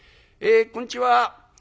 「えこんちは。